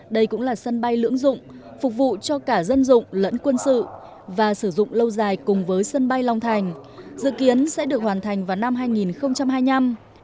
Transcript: đây cũng là sân bay lưỡng dụng phục vụ cho cả dân dụng lẫn quân sự và sử dụng lâu dài cùng với sân bay long thành dự kiến sẽ được hoàn thành vào năm hai nghìn hai mươi năm